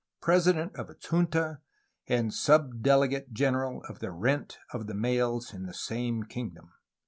President of its Junta y and Subdelegate General of the Rent of the Mails in the same Kingdom."